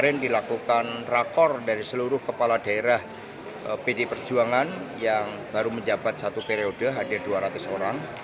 kemarin dilakukan rakor dari seluruh kepala daerah pd perjuangan yang baru menjabat satu periode hadir dua ratus orang